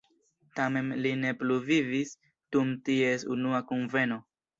Tamen li ne plu vivis dum ties unua kunveno.